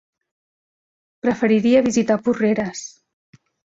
Preferiria visitar Porreres.